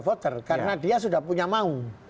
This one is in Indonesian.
voter karena dia sudah punya mau